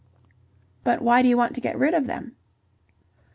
"But why do you want to get rid of them?"